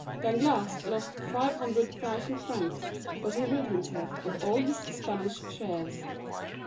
Danglars lost five hundred thousand francs; but he rid himself of all his Spanish shares.